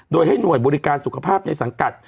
โดยให้หน่วยบริการสุขภาพในสังกัด